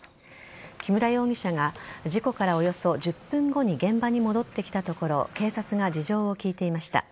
木村容疑者が事故からおよそ１０分後に現場に戻ってきたところ警察が事情を聴いていました。